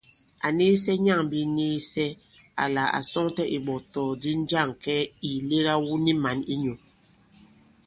Ǎ nīīsɛ̄ nyâŋ biniisɛ àla à sɔŋtɛ ìɓɔ̀tɔ̀kdi njâŋ kɛɛ ì lega wu ni mǎn i nyū.